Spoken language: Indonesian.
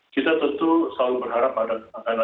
kita tentu selalu berharap ada